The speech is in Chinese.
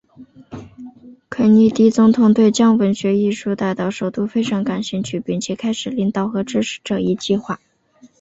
肯尼迪总统对将文学艺术带到首都非常感兴趣并且开始领导和支持这一计划。